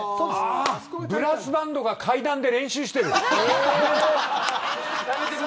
ブラスバンドが階段で練習してる。